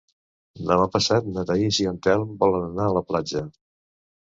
Demà passat na Thaís i en Telm volen anar a la platja.